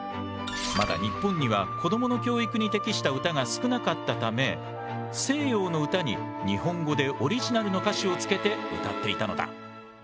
まだ日本には子供の教育に適した歌が少なかったため西洋の歌に日本語でオリジナルの歌詞をつけて歌っていたのだ。